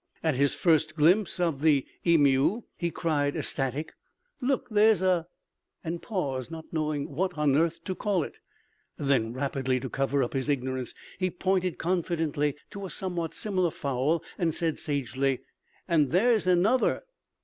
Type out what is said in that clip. At his first glimpse of the emu he cried ecstatic, "Look, there's a ," and paused, not knowing what on earth to call it. Then rapidly to cover up his ignorance he pointed confidently to a somewhat similar fowl and said sagely, "And there's another!"